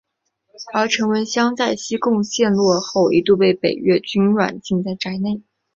而陈文香在西贡陷落后一度被北越军软禁在宅内。